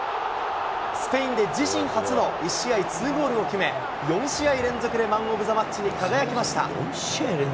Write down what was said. スペインで自身初の１試合２ゴールを決め、４試合連続でマンオブザマッチに輝きました。